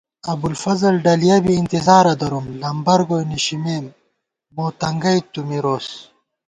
ابُوالفضل ڈَلِیَہ بی، انتِظارہ دروم * لمبر گوئی نِشِمېم ، مو تنگَئی تُو مِروس